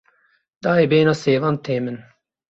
Dayê bêhna sêvan tê min.